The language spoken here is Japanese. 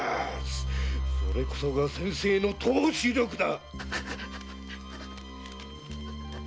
それこそが先生の透視力だ！